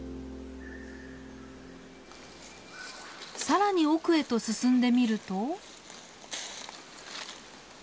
さらに奥へと進んでみると。